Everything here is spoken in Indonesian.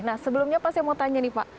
nah sebelumnya pak saya mau tanya nih pak